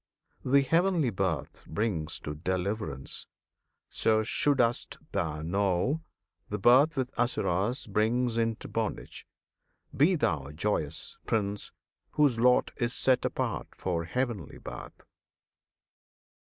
[FN#32] The Heavenly Birth brings to deliverance, So should'st thou know! The birth with Asuras Brings into bondage. Be thou joyous, Prince! Whose lot is set apart for heavenly Birth.